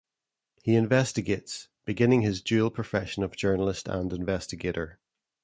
He investigates, beginning his dual profession of journalist and investigator.